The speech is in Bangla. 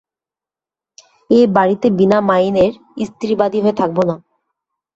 এ বাড়িতে বিনা মাইনের স্ত্রী-বাঁদী হয়ে থাকব না।